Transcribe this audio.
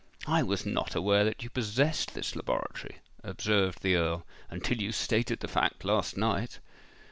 "I was not aware that you possessed this laboratory," observed the Earl, "until you stated the fact last night."